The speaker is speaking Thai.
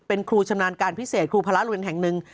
เป็นครูชำนาญการพิเศษครูพระโรงเรียนแห่งหนึ่ง